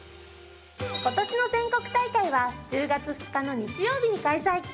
今年の全国大会は１０月２日の日曜日に開催。